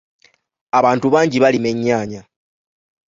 Abantu bangi balima ennyaanya.